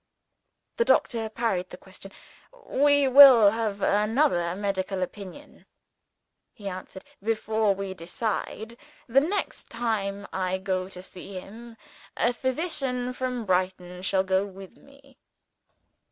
The doctor parried the question. "We will have another medical opinion," he answered, "before we decide. The next time I go to see him, a physician from Brighton shall go with me."